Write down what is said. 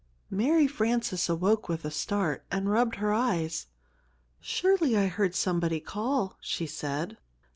MARY FRANCES awoke with a start, and rubbed her eyes. "Surely I heard somebody call," she said.